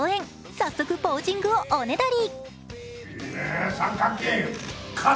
早速、ポージングをおねだり。